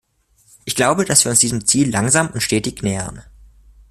Ich glaube, dass wir uns diesem Ziel langsam und stetig nähern.